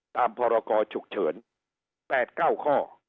ตามภรกชุกเฉิน๘๙ข้อ